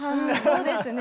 そうですね